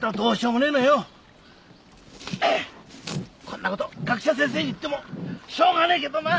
こんなこと学者先生に言ってもしょうがねえけどな！